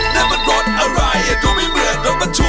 แล้วมันรสอะไรก็ไม่เหมือนรถบรรทุก